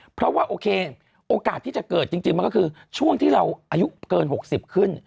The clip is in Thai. เพราะว่าโอเคโอกาสที่จะเกิดจริงมันก็คือช่วงที่เราอายุเกิน๖๐ขึ้น